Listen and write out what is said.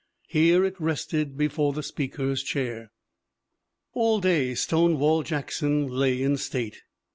Here it rested before the Speaker's Chair. "All day Stonewall Jackson lay in state.